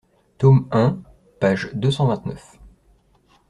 Tome un, page deux cent vingt-neuf.